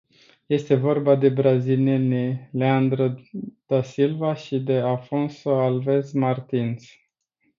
Este vorba de brazilienii Leandro da Silva și de Afonso Alves Martins.